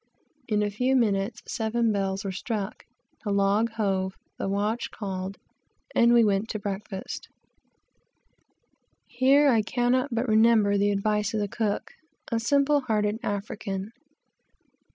In a few minutes seven bells were struck, the log hove, the watch called, and we went to breakfast. Here I cannot but remember the advice of the cook, a simple hearted African.